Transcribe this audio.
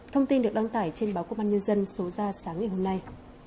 thông tin được đăng tải trên báo công an nhân dân số ra sáng ngày hôm nay